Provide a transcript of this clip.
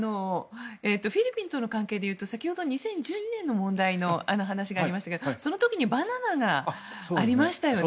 フィリピンとの関係でいうと先ほど２０１２年の問題のあの話がありましたけどその時バナナがありましたよね。